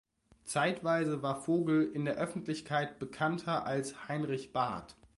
Zeitweise war Vogel in der Öffentlichkeit bekannter als Heinrich Barth.